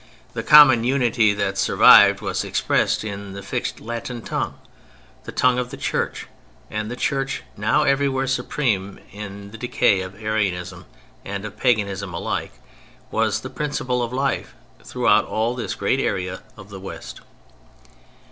The common unity that survived was expressed in the fixed Latin tongue, the tongue of the Church; and the Church, now everywhere supreme in the decay of Arianism and of paganism alike, was the principle of life throughout all this great area of the West.